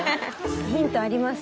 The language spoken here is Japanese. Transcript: ヒントあります？